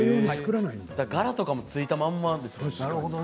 柄とかもついたまんま。